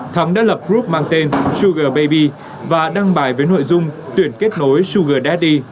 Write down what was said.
thắng đã lập group mang tên sugar baby và đăng bài với nội dung tuyển kết nối sugar daddy